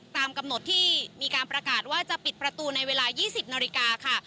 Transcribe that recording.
ตามกำหนดที่มีการประกาศว่าจะปิดประตูในเวลา๒๐นาฬิกาค่ะ